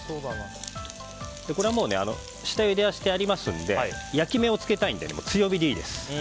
これは下ゆでしてありますので焼き目をつけたいので強火でいいです。